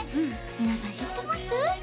皆さん知ってます？